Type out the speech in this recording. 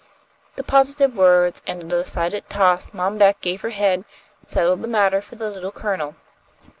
The positive words and the decided toss Mom Beck gave her head settled the matter for the Little Colonel.